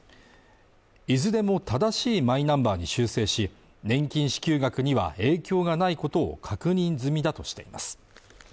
いずれも正しいマイナンバーに修正し年金支給額には影響がないことを確認済みだとしています